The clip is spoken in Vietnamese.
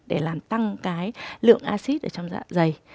để làm tăng cái lượng acid ở trong dạ dày